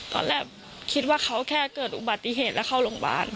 ตอนแรกคิดว่าเขาแค่เกิดอุบัติเหตุแล้วเข้าโรงพยาบาล